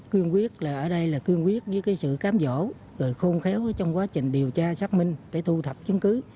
quyên quyết là ở đây là quyên quyết với cái sự cám dỗ rồi khôn khéo trong quá trình điều tra xác minh để thu thập chứng cứ